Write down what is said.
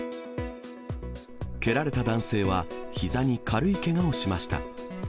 蹴られた男性はひざに軽いけがをしました。